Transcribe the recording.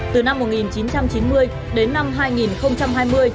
từ năm một nghìn chín trăm chín mươi đến năm hai nghìn hai mươi